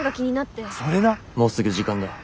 もうすぐ時間だ。